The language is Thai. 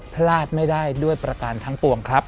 พลาดไม่ได้ด้วยประการทั้งปวงครับ